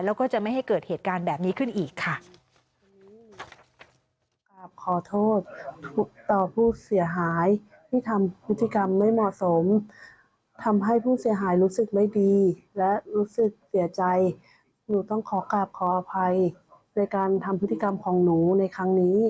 แล้วก็จะไม่ให้เกิดเหตุการณ์แบบนี้ขึ้นอีกค่ะ